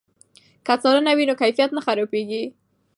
که څارنه وي نو کیفیت نه خرابېږي.